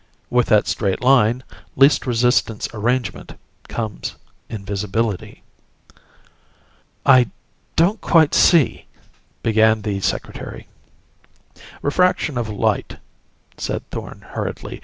With that straight line, least resistance arrangement comes invisibility." "I don't quite see " began the Secretary. "Refraction of light," said Thorn hurriedly.